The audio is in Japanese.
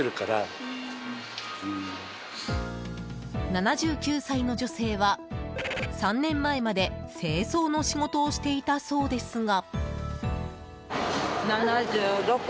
７９歳の女性は３年前まで清掃の仕事をしていたそうですが。